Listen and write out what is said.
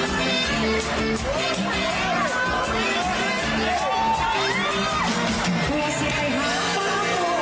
วันนี้ลำไยไว้ก่อนล่ะสวัสดีครับ